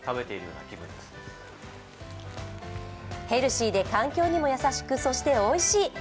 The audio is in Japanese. ヘルシーで環境にも優しく、そしておいしい！